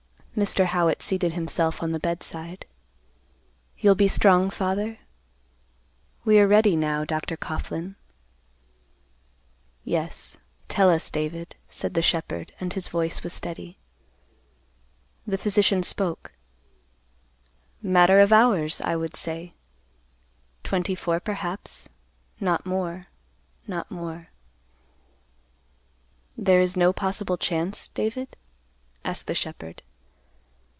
Mr. Howitt seated himself on the bedside. "You'll be strong, father? We are ready now, Dr. Coughlan." "Yes, tell us, David," said the shepherd, and his voice was steady. The physician spoke, "Matter of hours, I would say. Twenty four, perhaps; not more; not more." "There is no possible chance, David?" asked the shepherd.